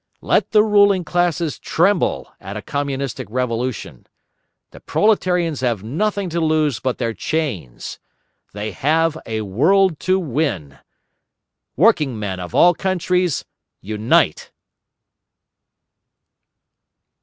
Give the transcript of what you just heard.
Let the ruling classes tremble at a Communistic revolution. The proletarians have nothing to lose but their chains. They have a world to win. WORKING MEN OF ALL COUNTRIES, UNITE!